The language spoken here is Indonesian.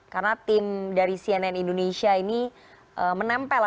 karena tim dari cnn indonesia ini menempel